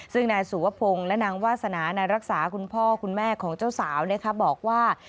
ซึ่งนายสุวพงศ์และนางวาสนานายรักษาคุณพ่อคุณแม่ของเจ้าสาวบอกว่า